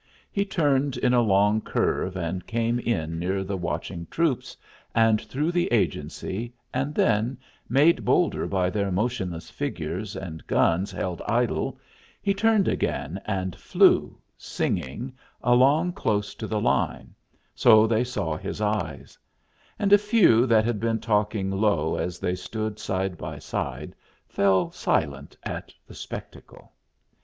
He turned in a long curve, and came in near the watching troops and through the agency, and then, made bolder by their motionless figures and guns held idle, he turned again and flew, singing, along close to the line, so they saw his eyes; and a few that had been talking low as they stood side by side fell silent at the spectacle.